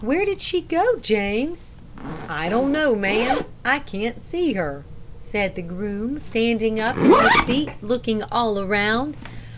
"'Where did she go, James?' "'I don't know, ma'am. I can't see her,' said the groom, standing up in his seat and looking all round.